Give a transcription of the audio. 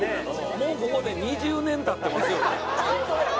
もうここで２０年経ってますよね。